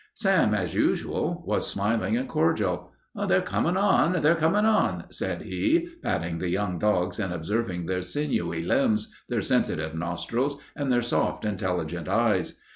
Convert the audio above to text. Sam, as usual, was smiling and cordial. "They're comin' on; they're comin' on," said he, patting the young dogs and observing their sinewy limbs, their sensitive nostrils, and their soft, intelligent eyes.